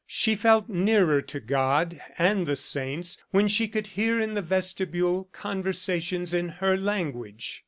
She felt nearer to God and the saints when she could hear in the vestibule conversations in her language.